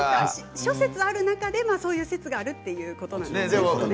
諸説ある中でそういう説があるということですね。